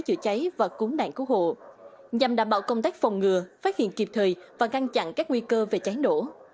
chữa cháy và cứu nạn cứu hộ nhằm đảm bảo công tác phòng ngừa phát hiện kịp thời và ngăn chặn các nguy cơ về cháy nổ